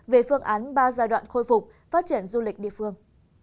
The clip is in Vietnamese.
về phương án ba giai đoạn khôi phục phát triển du lịch địa phương